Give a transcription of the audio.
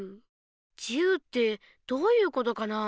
自由ってどういうことかなあ？